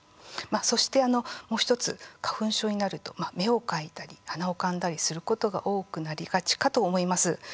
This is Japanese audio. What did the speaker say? そしてもう１つ、花粉症になると目をかいたり鼻をかんだりすることが多くなりがちかと思います。